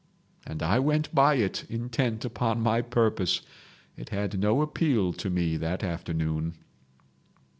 And I went by it intent upon my purpose. It had no appeal to me that afternoon.